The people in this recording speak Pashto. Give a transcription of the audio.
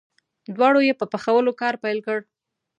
دواړو یې په پخولو کار پیل کړ.